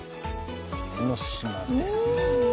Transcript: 江の島です。